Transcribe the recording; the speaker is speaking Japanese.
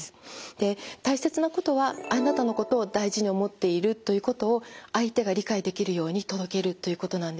で大切なことはあなたのことを大事に思っているということを相手が理解できるように届けるということなんですね。